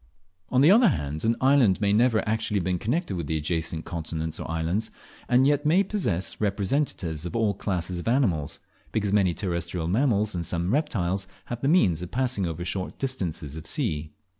On the other hand, an island may never have been actually connected with the adjacent continents or islands, and yet may possess representatives of all classes of animals, because many terrestrial mammals and some reptiles have the means of passing over short distances of sea.